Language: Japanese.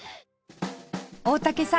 大竹さん